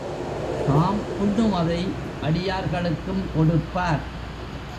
தாம் உண்ணுவதை அடியார்களுக்கும் கொடுப்பார்.